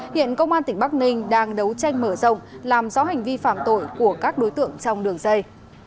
hiện công an tỉnh bắc ninh đang đấu tranh mở rộng làm rõ hành vi phạm tội của các đối tượng trong đường dây